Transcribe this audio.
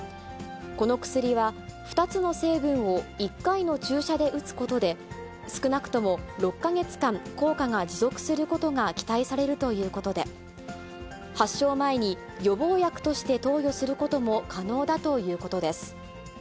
この薬は、２つの成分を１回の注射で打つことで、少なくとも６か月間、効果が持続することが期待されるということで、発症前に予防薬として投与することも可能だということです。